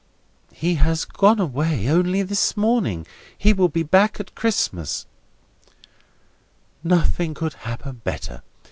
"He has gone away only this morning. He will be back at Christmas." "Nothing could happen better.